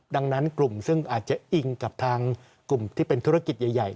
ดังนั้นกลุ่มซึ่งอาจจะอิงกับทางกลุ่มที่เป็นธุรกิจใหญ่